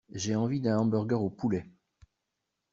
J'ai envie d'un hamburger au poulet.